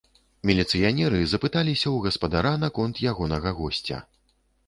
Міліцыянеры запыталіся ў гаспадара наконт ягонага госця.